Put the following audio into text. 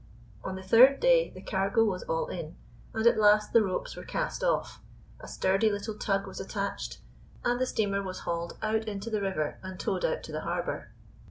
On the third day the cargo was all in, and at last the ropes were cast off, a sturdy little tug was attached, and the steamer was hauled out into the river and towed out to the harbor.